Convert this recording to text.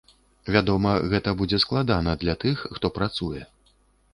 Вядома, гэта будзе складана для тых, хто працуе.